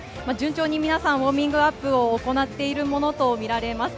順調に皆さん、ウオーミングアップを行っているものとみられます。